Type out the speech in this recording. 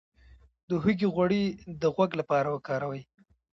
د هوږې غوړي د غوږ لپاره وکاروئ